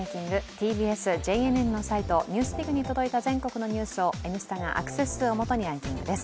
ＴＢＳ・ＪＮＮのサイト「ＮＥＷＳＤＩＧ」に届いた全国のニュースを「Ｎスタ」がアクセス数を基にランキングです。